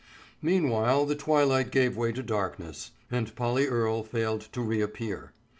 Meanwhile the twilight gave way to darkness and Polly Earle failed to reappear.